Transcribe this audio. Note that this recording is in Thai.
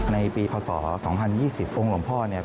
ในปีพศ๒๐๒๐องค์หลวงพ่อเนี่ย